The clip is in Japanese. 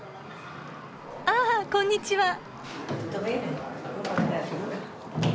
ああこんにちは。